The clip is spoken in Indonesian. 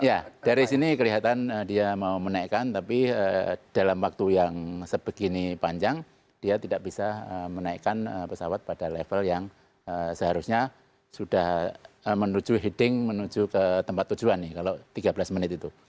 ya dari sini kelihatan dia mau menaikkan tapi dalam waktu yang sebegini panjang dia tidak bisa menaikkan pesawat pada level yang seharusnya sudah menuju heading menuju ke tempat tujuan nih kalau tiga belas menit itu